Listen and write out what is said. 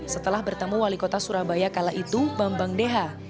setelah bertemu wali kota surabaya kala itu bambang deha